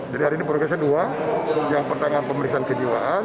jadi hari ini progresnya dua yang pertama pemeriksaan kejiwaan